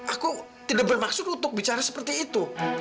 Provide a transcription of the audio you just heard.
aku tidak bermaksud untuk bicara seperti itu